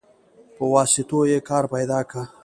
په واسطو يې کار پيدا که.